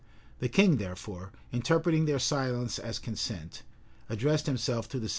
The king, therefore, interpreting their silence as consent, addressed himself to the several competitors.